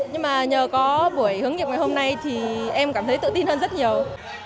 nhưng mà nhờ có buổi hướng nghiệp ngày hôm nay thì em cảm thấy tự tin hơn rất nhiều